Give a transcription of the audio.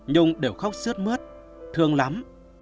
nhung đều khóc sướt mướt thương lắm